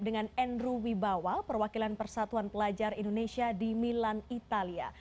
dengan andrew wibawa perwakilan persatuan pelajar indonesia di milan italia